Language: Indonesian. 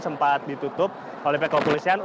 sempat ditutup oleh pekopolisian